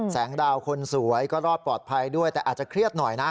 แสงดาวคนสวยก็รอดปลอดภัยด้วยแต่อาจจะเครียดหน่อยนะ